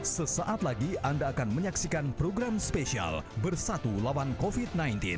sesaat lagi anda akan menyaksikan program spesial bersatu lawan covid sembilan belas